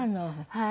はい。